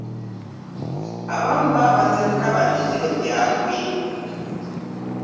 Abamu baba bazze kulaba miziro gyabwe.